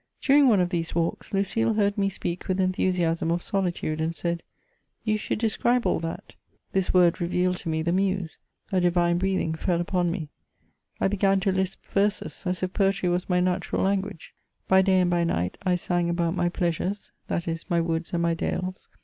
During one of these walks, Lucile heard me speak with en thusiasm of solitude, and said, " You should describe all that." This word revealed to me the muse ; a divine breathing fell upon me I began to Usp verses, as if poetry was my natural kuiguage. By day and by night, I sang about my pleasures ; that is, my woods and my dales.